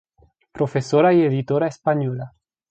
Profesora y editora española.